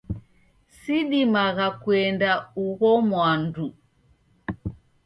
Sidimagha kuenda ugho mwandu.